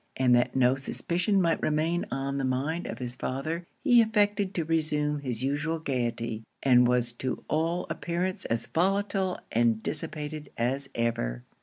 And that no suspicion might remain on the mind of his father, he affected to reassume his usual gaiety, and was to all appearance as volatile and dissipated as ever.